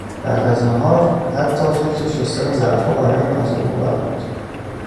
بعد از ناهار حتی فکر شستن ظرفها برایم عذابآور بود